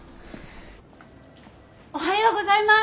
おはようございます！